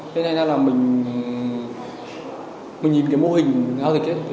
thế nên ra là mình nhìn cái mô hình giao dịch ấy